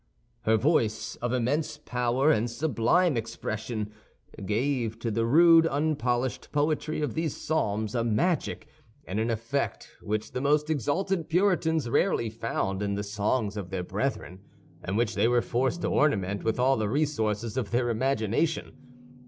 Her voice, of immense power and sublime expression, gave to the rude, unpolished poetry of these psalms a magic and an effect which the most exalted Puritans rarely found in the songs of their brethren, and which they were forced to ornament with all the resources of their imagination.